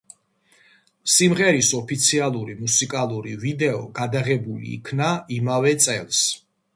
სიმღერის ოფიციალური მუსიკალური ვიდეო გადაღებული იქნა იმავე წელს.